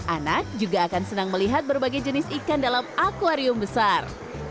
anak juga akan senang melihat berbagai jenis ikan dalam akwarium besar